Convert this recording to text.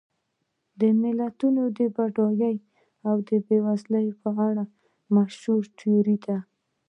د ملتونو د بډاینې او بېوزلۍ په اړه مشهوره تیوري ده.